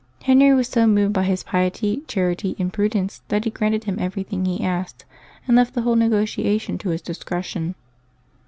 Henry was so moved by his piety, charity, and prudence that he granted him everything he asked, and left the whole negotiation to his discretion.